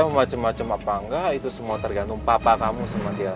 saya mau macem macem apa enggak itu semua tergantung papa kamu sama tiana